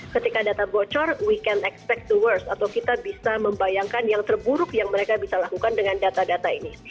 ketika data bocor kita bisa membayangkan yang terburuk yang mereka bisa lakukan dengan data data ini